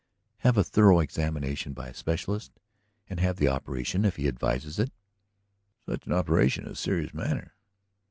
Have a thorough examination by a specialist? And have the operation if he advises it?" "Such an operation is a serious matter?"